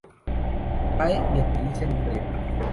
Cae, y aterriza en un tren.